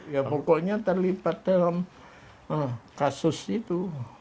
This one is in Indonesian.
ya pokoknya terlibat dalam kasus itu